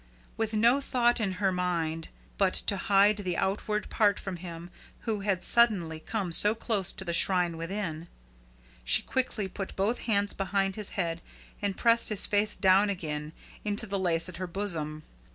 With no thought in her mind but to hide the outward part from him who had suddenly come so close to the shrine within, she quickly put both hands behind his head and pressed his face down again, into the lace at her bosom.